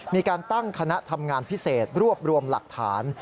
มีการตั้งคณะทำงานพิเศษรวบรวมหลักฐาน